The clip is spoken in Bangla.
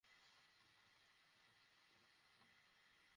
সে বলল তোমার মা রেগে গিয়েছিল।